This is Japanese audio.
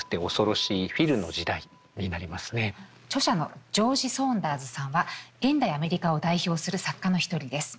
著者のジョージ・ソーンダーズさんは現代アメリカを代表する作家の一人です。